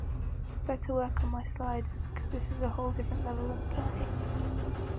Better work on my slider, because this is a whole different level of play.